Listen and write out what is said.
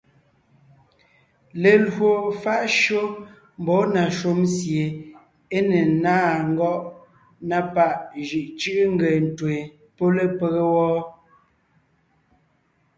Lelwò fáʼ shÿó mbɔɔ na shúm sie é ne ńnáa ngɔ́ʼ na páʼ jʉʼ cʉ́ʼʉ nge ńtween pɔ́ lepége wɔ́.